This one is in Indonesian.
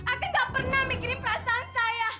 aku gak pernah mikirin perasaan saya